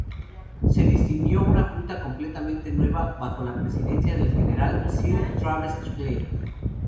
Se designó una junta completamente nueva bajo la presidencia del General Sir Travers Clarke.